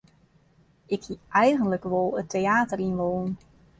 Ik hie eigentlik wol it teäter yn wollen.